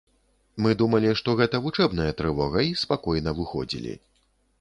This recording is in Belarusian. Мы думалі, што гэта вучэбная трывога і спакойна выходзілі.